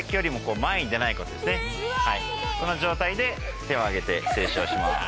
この状態で手を上げて静止をします。